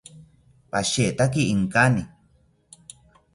Pashetaki inkani